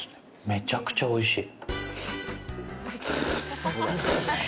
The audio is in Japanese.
めちゃくちゃおいしい！